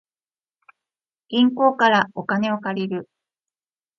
銀行からお金を借りる